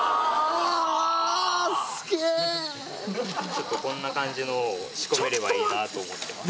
ちょっとこんな感じのを仕込めればいいなと思ってます